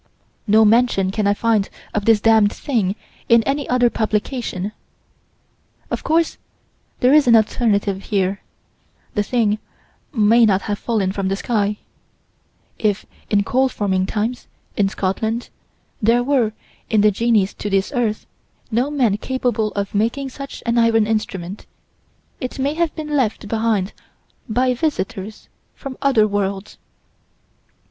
No mention can I find of this damned thing in any other publication. Of course there is an alternative here: the thing may not have fallen from the sky: if in coal forming times, in Scotland, there were, indigenous to this earth, no men capable of making such an iron instrument, it may have been left behind by visitors from other worlds.